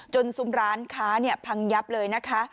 จนซุ้มร้านค้าเนี่ยพังยับเลยนะคะ